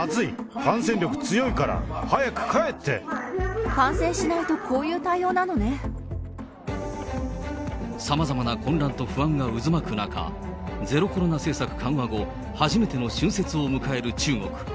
感染力強いから、感染しないとこういう対応なさまざまな混乱と不安が渦巻く中、ゼロコロナ政策緩和後、初めての春節を迎える中国。